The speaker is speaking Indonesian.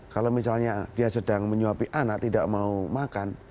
kalau misalnya dia sedang menyuapi anak tidak mau makan